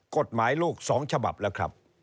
กฎหมายลูก๒ฉบับแล้วครับ